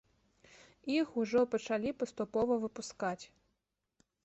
Іх ужо пачалі паступова выпускаць.